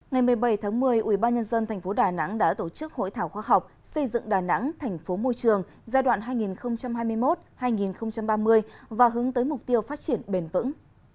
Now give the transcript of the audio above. ngày một mươi bảy tháng một mươi ubnd tp đà nẵng đã tổ chức hội thảo khoa học xây dựng đà nẵng thành phố môi trường giai đoạn hai nghìn hai mươi một hai nghìn ba mươi và hướng tới mục tiêu phát triển bền vững